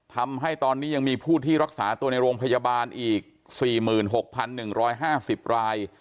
ทำให้ตอนนี้ยังมีผู้ที่รักษาตัวในโรงพยาบาลอีก๔๖๑๕๐ราย